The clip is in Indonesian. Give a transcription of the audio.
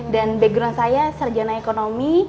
dan background saya sarjana ekonomi